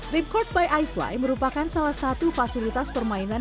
leap court by ifly merupakan salah satu fasilitas permainan